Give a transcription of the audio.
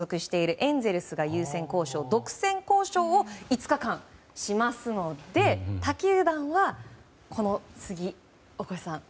ただ、まずは現在所属しているエンゼルスが優先交渉独占交渉を５日間しますので他球団はこの次、大越さん。